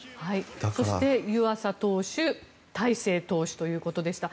そして湯浅投手大勢投手ということでした。